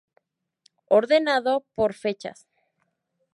Ordenado por Fechas